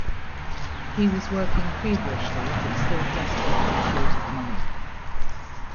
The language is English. He was working feverishly but still desperately short of money.